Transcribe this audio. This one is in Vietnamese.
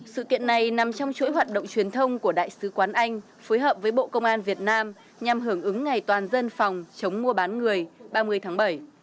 sự kiện này nằm trong chuỗi hoạt động truyền thông của đại sứ quán anh phối hợp với bộ công an việt nam nhằm hưởng ứng ngày toàn dân phòng chống mua bán người ba mươi tháng bảy